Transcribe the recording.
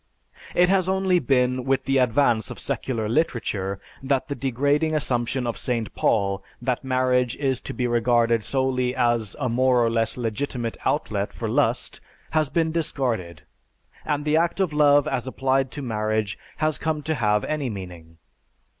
It has only been with the advance of secular literature that the degrading assumption of St. Paul that marriage is to be regarded solely as a more or less legitimate outlet for lust has been discarded, and the act of love as applied to marriage has come to have any meaning.